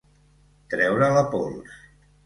Treure la pols.